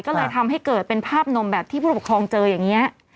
ก็เลยทำให้เกิดเป็นภาพนมแบบที่ผู้ปกครองเจออย่างนี้